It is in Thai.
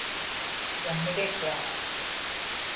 ยังไม่ได้กล่าว